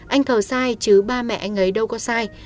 anh thờ sai chứ ba mẹ anh ấy đâu có sai